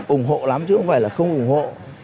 ủng hộ lắm chứ không phải là không ủng hộ